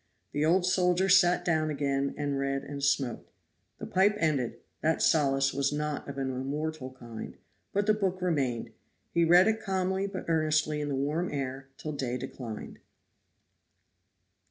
The old soldier sat down again and read and smoked. The pipe ended that solace was not of an immortal kind but the book remained; he read it calmly but earnestly in the warm air till day declined.